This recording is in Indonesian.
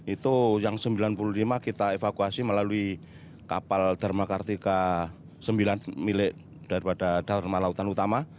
itu yang sembilan puluh lima kita evakuasi melalui kapal dharma kartika sembilan milik daripada dharma lautan utama